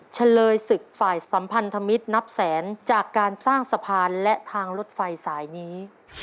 เฉลยศึกฝ่ายสัมพันธมิตรนับแสนจากการสร้างสะพานและทางรถไฟสายนี้